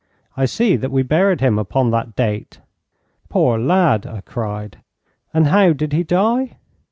'I see that we buried him upon that date.' 'Poor lad!' I cried. 'And how did he die?'